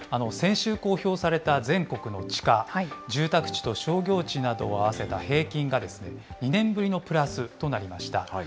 先週公表された全国の地価、住宅地と商業地などを合わせた平均が、２年ぶりのプラスとなりました。